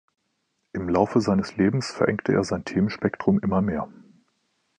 Im Laufe seines Lebens verengte er sein Themenspektrum immer mehr.